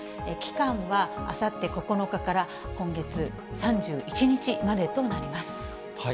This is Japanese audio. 期間はあさって９日から今月３１日までとなります。